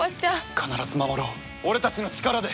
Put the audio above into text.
必ず守ろう俺たちの力で。